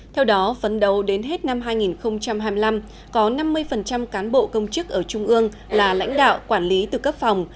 theo đó phấn đấu đến hết năm hai nghìn hai mươi năm có năm mươi cán bộ công chức ở trung ương là lãnh đạo quản lý từ cấp phòng